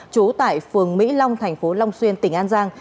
trú tại phường mỹ long thành phố long xuyên tỉnh an giang